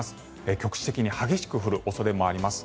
局地的に激しく降る恐れもあります。